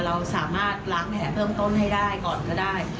เราสามารถล้างแผลเบื้องต้นให้ได้ก่อนก็ได้